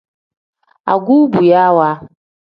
Agubuyaawa.